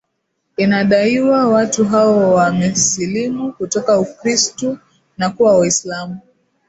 inadaiwa watu hao wamesilimu kutoka ukristu na kuwa waislamu